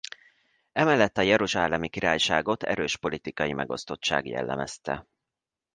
Emellett a Jeruzsálemi Királyságot erős politikai megosztottság jellemezte.